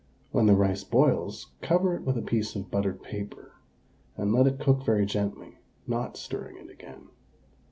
When the rice boils, cover it with a piece of buttered paper, and let it cook very gently, not stirring it again.